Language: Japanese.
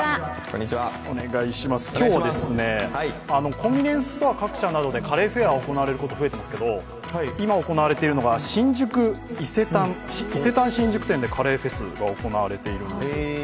今日は、コンビニエンスストア各社などでカレーフェアが行われることが増えていますけど今行われているのが伊勢丹新宿店でカレーフェスが行われているんです。